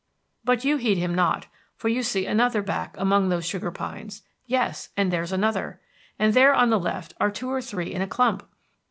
But you heed him not, for you see another back among those sugar pines! Yes, and there's another. And there on the left are two or three in a clump!